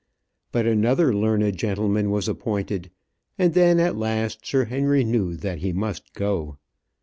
But another learned gentleman was appointed, and then at last Sir Henry knew that he must go.